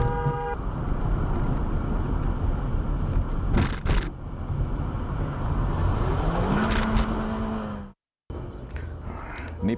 นิดนึงนะครับ